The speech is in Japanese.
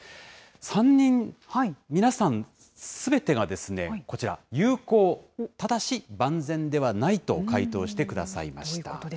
３人皆さんすべてがこちら、有効、ただし万全ではないと回答してくださいました。